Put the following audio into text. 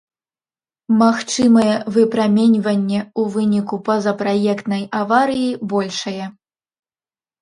Магчымае выпраменьванне ў выніку пазапраектнай аварыі большае.